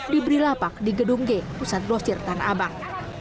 diberi lapak di gedung g pusat grosir tanah abang